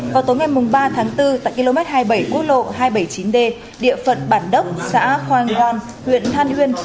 vào tối ngày ba tháng bốn tại km hai mươi bảy quốc lộ hai trăm bảy mươi chín d địa phận bản đốc xã khoai ngoan huyện than huyên